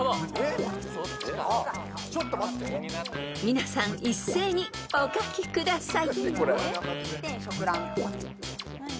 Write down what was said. ［皆さん一斉にお書きください］